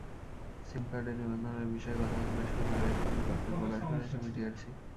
সিম কার্ডের নিবন্ধনের বিষয়ে গতকাল বৃহস্পতিবার একটি বিজ্ঞপ্তি প্রকাশ করেছে বিটিআরসি।